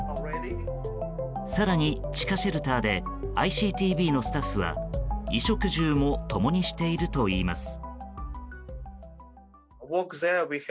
更に、地下シェルターでＩＣＴＶのスタッフは衣食住も共にしているといいます。